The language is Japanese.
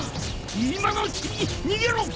今のうちに逃げろ！